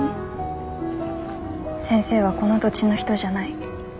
先生はこの土地の人じゃない。